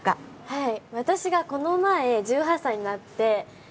はい。